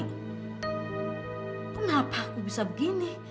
kenapa aku bisa begini